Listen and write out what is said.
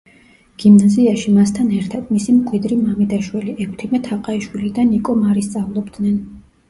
გიმნაზიაში მასთან ერთად, მისი მკვიდრი მამიდაშვილი, ექვთიმე თაყაიშვილი და ნიკო მარი სწავლობდნენ.